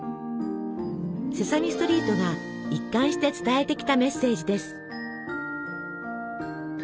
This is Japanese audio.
「セサミストリート」が一貫して伝えてきたメッセージです。